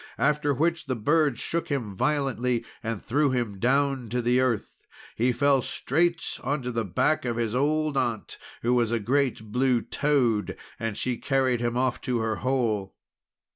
After which the birds shook him violently, and threw him down to the earth. He fell straight onto the back of his old Aunt, who was a great blue toad. And she carried him off to her hole.